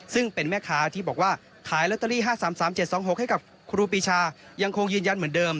ซึ่งเป็นแม่ค้าที่บอกว่าขายลอตเตอรี่๕๓๓๗๒๖ให้กับครูปีชายังคงยืนยันเหมือนเดิม